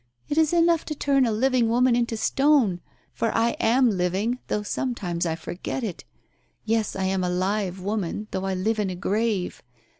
It is enough to turn a living woman into stone — for I am living, though sometimes I forget it. Yes, I am a live woman, though I live in a grave.